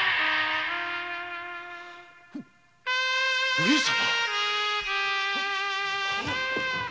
上様？！